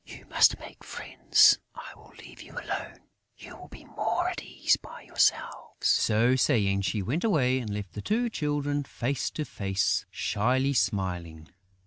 "You must make friends.... I will leave you alone; you will be more at ease by yourselves...." So saying, she went away and left the two Children face to face, shyly smiling.